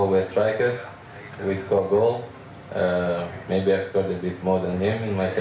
jadi dia adalah aset besar untuk tim odemwingie